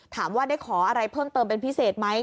ถามว่าได้ขออะไรเพิ่มเติมเป็นพิเศษไหม